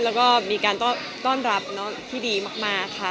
แล้วก็มีการต้อนรับที่ดีมากค่ะ